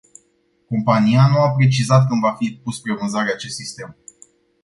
Compania nu a precizat când va fi pus spre vânzare acest sistem.